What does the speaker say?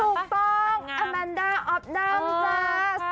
ถูกต้องอแมนดาออฟดำจ้า